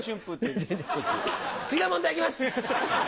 違う問題いきます。